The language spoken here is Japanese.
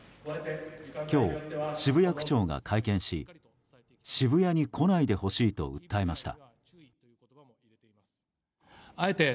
今日、渋谷区長が会見し渋谷に来ないでほしいと訴えました。